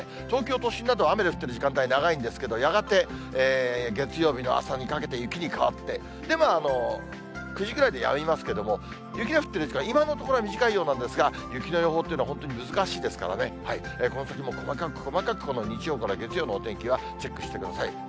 東京都心などは雨が降ってる時間帯長いんですけど、やがて月曜日の朝にかけて、雪に変わって、９時ぐらいでやみますけれども、雪が降っている時間、今のところは短いようなんですが、雪の予報というのは本当に難しいですからね、この先も細かく細かく、日曜から月曜のお天気はチェックしてください。